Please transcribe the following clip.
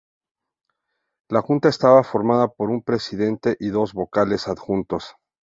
La Junta estaba formada por un presidente y dos vocales adjuntos.